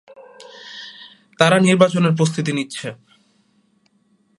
তারা নির্বাচনের প্রস্তুতি নিচ্ছে।